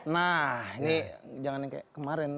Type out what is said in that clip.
nah ini jangan yang kayak kemarin